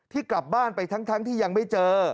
กลับบ้านไปทั้งที่ยังไม่เจอ